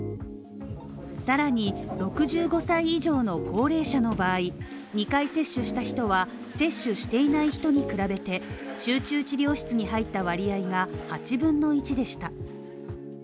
さらに、６５歳以上の高齢者の場合２回接種した人は、接種していない人に比べて集中治療室に入った割合が８分の１でした。